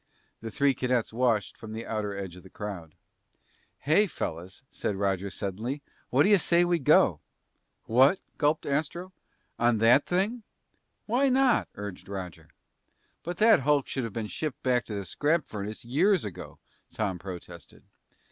The three cadets watched from the outer edge of the crowd. "Hey, fellas," said Roger suddenly, "whaddya say we go?" "What?" gulped Astro. "On that thing?" "Why not?" urged Roger. "But that hulk should have been shipped back to the scrap furnace years ago!" Tom protested.